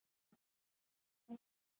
麻将接龙是一种接龙游戏。